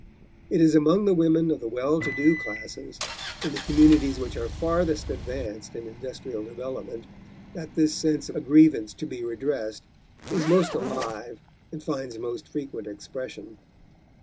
It is among the women of the well to do classes, in the communities which are farthest advanced in industrial development, that this sense of a grievance to be redressed is most alive and finds most frequent expression.